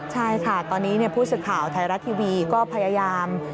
ใช่ค่ะตอนนี้ผู้สื่อข่าวไทยรัฐทีวีก็พยายาม